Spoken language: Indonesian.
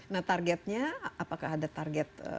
nah targetnya apakah ada target